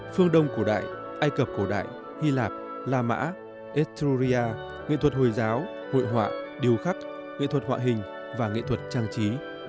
phương đông cổ đại ai cập cổ đại hy lạp la mã estonia nghệ thuật hồi giáo hội họa điều khắc nghệ thuật họa hình và nghệ thuật trang trí